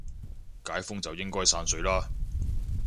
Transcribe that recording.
解封就應該散水啦